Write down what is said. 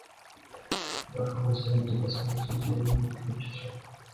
Бирок алар өздөрүндө басма сөз жыйынын өткөрүп жатышат.